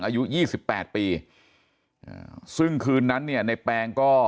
อายุ๒๘ปีซึ่งคืนนั้นนี่ในแปลงก็